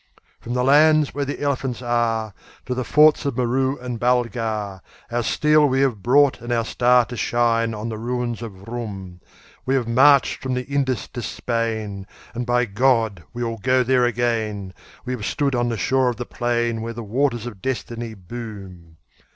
From the lands, where the elephants are, to the forts of Merou and Balghar, Our steel we have brought and our star to shine on the ruins of Rum. We have marched from the Indus to Spain, and by God we will go there again; We have stood on the shore of the plain where the Waters of Destiny boom.